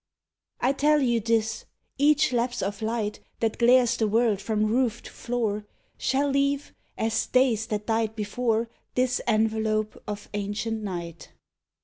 I TELL you this each lapse of light That glares the world from roof to floor, Shall leave, as days that died before, This envelope of antient night.